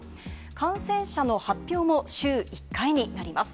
感染者の発表も週１回になります。